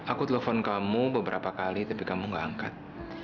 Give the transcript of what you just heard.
aku telopon kamu beberapa kali tapi kamu nggak angkat